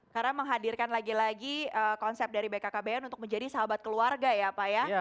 karena menghadirkan lagi lagi konsep dari bkkbn untuk menjadi sahabat keluarga ya pak ya